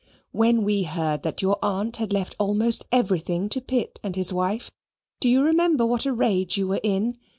When we heard that your aunt had left almost everything to Pitt and his wife, do you remember what a rage you were in?